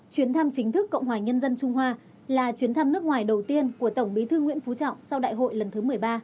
chuyến thăm chính thức cộng hòa nhân dân trung hoa là chuyến thăm nước ngoài đầu tiên của tổng bí thư nguyễn phú trọng sau đại hội lần thứ một mươi ba